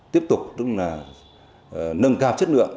tiếp tục nâng cao chất lượng